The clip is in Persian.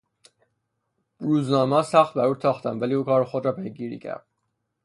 روزنامهها سخت بر او تاختند ولی او کار خود را پیگیری کرد.